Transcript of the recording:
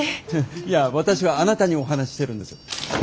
いや私はあなたにお話ししてるんです。